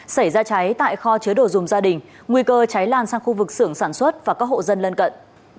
xảy ra cháy tại kho chứa đồ dùng gia đình nguy cơ cháy lan sang khu vực xưởng sản xuất và các hộ dân lân cận